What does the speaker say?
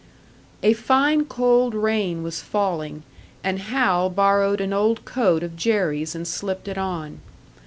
A fine, cold rain was falling, and Hal borrowed an old coat of Jerry's and slipped it on.